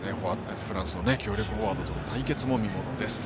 フランスの強力フォワードとの対決も見ものです。